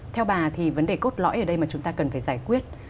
theo bà thì vấn đề cốt lõi ở đây mà chúng ta cần phải giải quyết